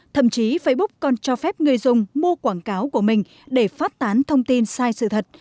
thậm chí facebook còn cho phép người dùng mua quảng cáo của mình để phát tán thông tin sai sự thật